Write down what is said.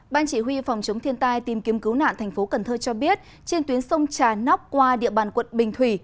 ban chỉ huy phòng chống thiên tai tìm kiếm cứu nạn thành phố cần thơ cho biết trên tuyến sông trà nóc qua địa bàn quận bình thủy